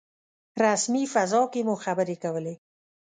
رسمي فضا کې مو خبرې کولې.